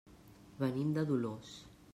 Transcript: Venim de Dolors.